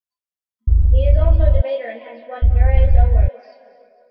He is also a debater and has won various awards.